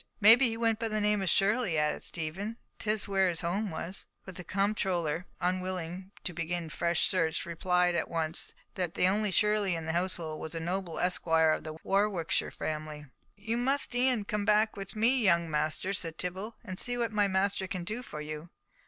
"Maybe he went by the name of Shirley," added Stephen, "'tis where his home was." But the comptroller, unwilling to begin a fresh search, replied at once that the only Shirley in the household was a noble esquire of the Warwickshire family. "You must e'en come back with me, young masters," said Tibble, "and see what my master can do for you."